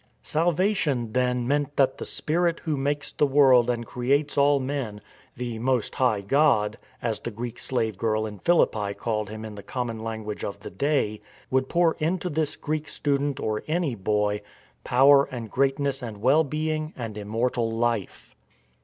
" Salva tion " then meant that the Spirit Who makes the world THE SHOUT OF THE SLAVE GIRL 191 and creates all men —" the Most High God "— as the Greek slave girl in Philippi called Him in the common language of the day — would pour into this Greek student or any boy power and greatness and well being and immortal life.